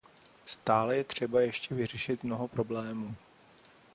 Stále je třeba ještě vyřešit mnoho problémů.